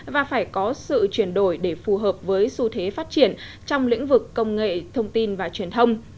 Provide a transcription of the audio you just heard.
và phải có sự chuyển đổi để phù hợp với xu thế phát triển trong lĩnh vực công nghệ thông tin và truyền thông